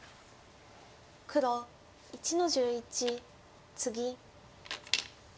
黒１の十一ツギ。